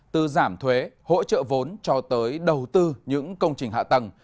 từ giảm thuế hỗ trợ vốn cho tới đầu tư những công trình hạ tầng